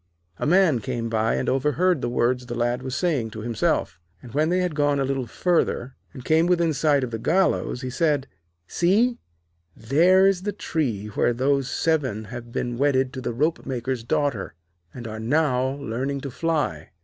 A Man came by and overheard the words the Lad was saying to himself, and when they had gone a little further, and came within sight of the gallows, he said: 'See, there is the tree where those seven have been wedded to the ropemaker's daughter, and are now learning to fly.